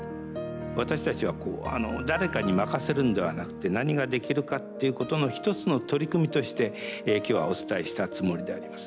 私たちは誰かに任せるんではなくて何ができるかっていうことの一つの取り組みとして今日はお伝えしたつもりであります。